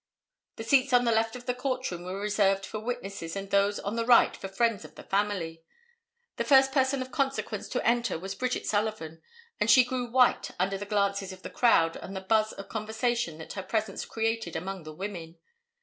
The seats on the left of the court room were reserved for witnesses and those on the right for friends of the family. The first person of consequence to enter was Bridget Sullivan, and she grew white under the glances of the crowd and the buzz of conversation that her presence created among the women.